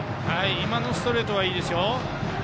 今のストレートはいいですよ。